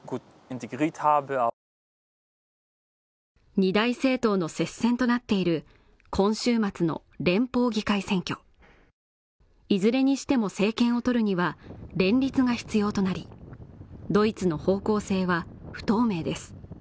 二大政党の接戦となっている今週末の連邦議会選挙、いずれにしても政権を取るには連立が必要となりドイツの方向性は不透明です。